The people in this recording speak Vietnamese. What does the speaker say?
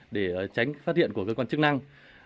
để tránh phát hiện của cơ quan chức năng